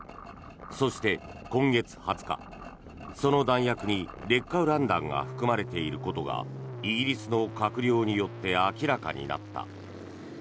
そして、今月２０日その弾薬に劣化ウラン弾が含まれていることがイギリスの閣僚によって明らかになった。